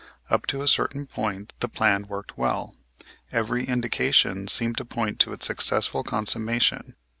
Up to a certain point the plan worked well. Every indication seemed to point to its successful consummation.